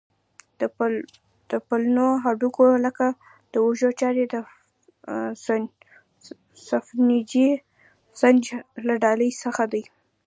د پلنو هډوکو لکه د اوږو چارۍ د سفنجي نسج له ډلې څخه دي.